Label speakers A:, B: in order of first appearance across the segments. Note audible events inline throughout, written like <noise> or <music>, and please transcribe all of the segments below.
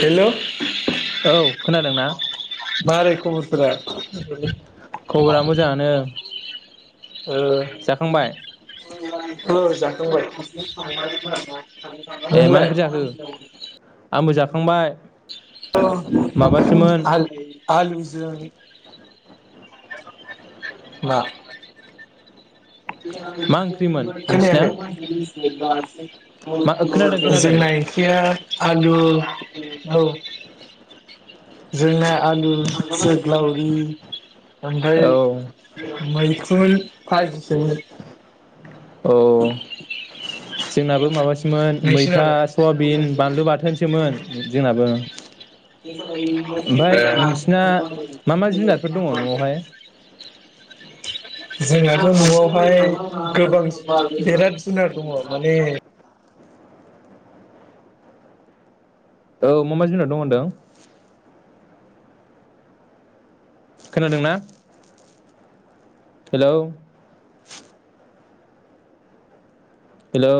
A: हेल'
B: औ खोनादोंना?
A: मारै खबरफोरा
B: खबरा मोजाङानो
A: ओ
B: जाखांबाय?
A: ओ जाखांबाय
B: ए मा
A: नोंलाय
B: ओंख्रि जाखो? आंबो जाखांबाय।
A: अ
B: माबासोमोन
A: आलु आलुजों ना
B: मा ओंख्रिमोन नोंसिना
A: खोनायाखै?
B: मा खोनादों खोनादों
A: जोंना ओंख्रिया आलु औ। जोंना आलु जोग्लावरि। ओमफ्राय
B: औ
A: मैखुन फाजिसोमोन।
B: औ। जोंनाबो माबासोमोन मैथा,
A: नोंसिनालाय
B: सयाबिन, बानलु बाथोनसोमोन जोंनाबो। ओमफ्राय नोंसिना मा मा जुनारफोर दङ न'आवहाय
A: <unintelligible> जोंनाथ न'आवहाय गो <unintelligible>
B: औ मा मा जुनाव दं होनदों? खोनादोंना? हेलौ। हेलौ।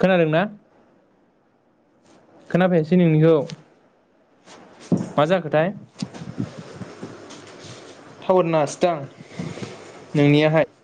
B: खोनादोंना? खोनाफायासै नोंनिखौ। माजाखोथाय। थावार नांआसै दां नोंनियाहाय।